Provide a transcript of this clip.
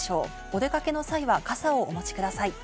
お出かけの際は傘をお持ちください。